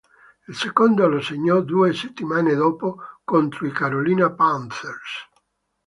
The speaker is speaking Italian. Il secondo lo segnò due settimane dopo contro i Carolina Panthers.